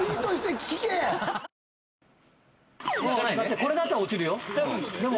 これだったら落ちるよ。